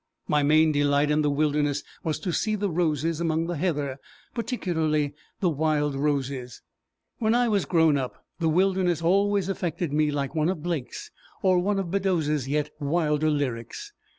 My main delight in the wilderness was to see the roses among the heather particularly the wild roses. When I was grown up, the wilderness always affected me like one of Blake's, or one of Beddoes's yet wilder lyrics.